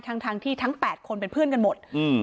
ทั้งทั้งที่ทั้งแปดคนเป็นเพื่อนกันหมดอืม